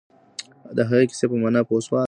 د هغې کیسې په مانا پوه سواست؟